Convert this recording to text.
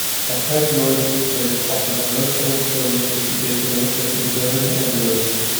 Hapag-Lloyd Express offered no-frills services to destinations in Germany and Europe.